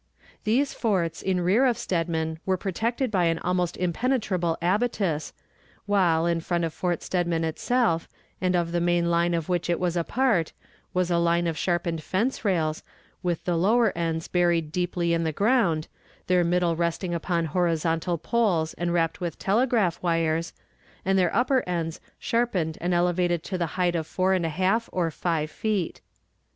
These forts in rear of Steadman were protected by an almost impenetrable abatis, while, in front of Fort Steadman itself, and of the main line of which it was a part, was a line of sharpened fence rails, with the lower ends buried deeply in the ground, their middle resting upon horizontal poles and wrapped with telegraph wires, and their upper ends sharpened and elevated to the height of four and a half or five feet.